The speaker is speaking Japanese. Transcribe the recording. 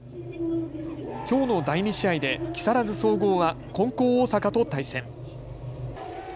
きょうの第２試合で木更津総合は金光大阪と対戦。